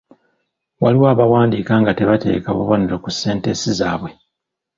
Waliwo abawandiika nga tebateeka bubonero ku sentensi zaabwe.